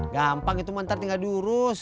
gampang itu mentar tinggal diurus